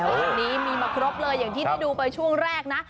วันนี้มีมาครบเลยอย่างที่ได้ดูไปช่วงแรกนะ